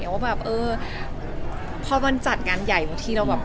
ว่าแบบเออพอมันจัดงานใหญ่บางทีเราแบบ